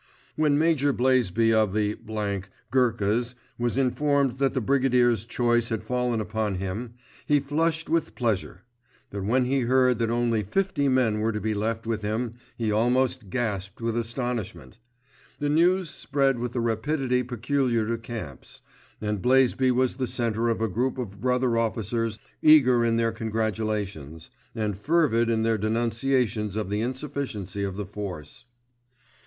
When Major Blaisby of the —th Gurkhas was informed that the Brigadier's choice had fallen upon him, he flushed with pleasure: but when he heard that only fifty men were to be left with him he almost gasped with astonishment. The news spread with the rapidity peculiar to camps, and Blaisby was the centre of a group of brother officers eager in their congratulations, and fervid in their denunciations of the insufficiency of the force.